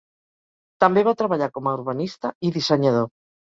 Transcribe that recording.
També va treballar com a urbanista i dissenyador.